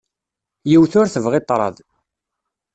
Yiwet ur tebɣi ṭṭraḍ.